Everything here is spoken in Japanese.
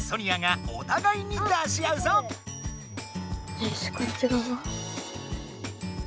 よしこっちがわ。